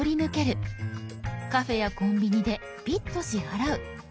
カフェやコンビニでピッと支払う。